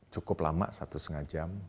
cukup lama satu setengah jam